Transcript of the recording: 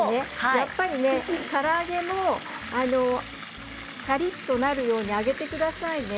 やっぱりね、から揚げもカリっとなるように揚げてくださいね。